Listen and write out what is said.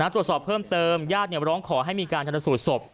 ตรวจสอบเพิ่มเติมญาติร้องขอให้มีการทันสูตรศพ